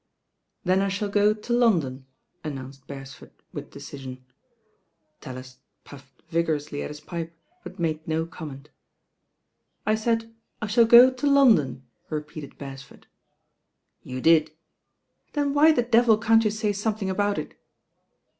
^ "Then I shall go to London," announced Beres ford with decision. Tallis puffed vigorously at his pipe; but made no comment. "I said I shaU go to London," repeated Beres ford. "You did." ,^"^^*^'i,7^y *^*^^^you My something about It?"